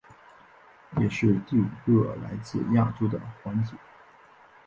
也是第五个来自亚洲的环姐。